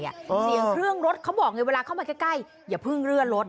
เสียงเครื่องรถเขาบอกไงเวลาเข้ามาใกล้อย่าเพิ่งเลื่อนรถ